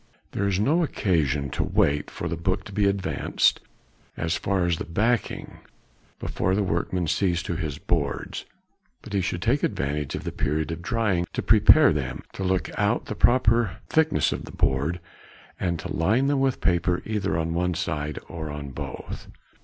There is no occasion to wait for the book to be advanced as far as the backing before the workman sees to his boards; but he should take advantage of the period of drying to prepare them, to look out the proper thickness of the board, and to line them with paper either on one side or on both.